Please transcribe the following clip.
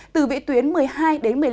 từ vị tuyến một mươi hai h đến một mươi năm h